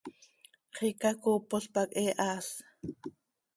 ¡Xiica coopol pac he haas!